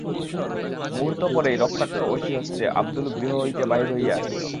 মুহূর্ত পরেই রক্তাক্ত অসি হস্তে আবদুল গৃহ হইতে বাহির হইয়া আসিল।